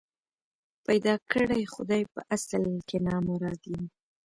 پيدا کړی خدای په اصل کي نامراد یم